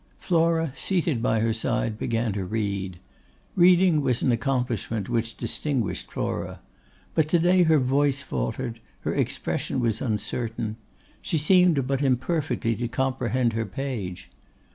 Flora, seated by her side, began to read. Reading was an accomplishment which distinguished Flora; but to day her voice faltered, her expression was uncertain; she seemed but imperfectly to comprehend her page.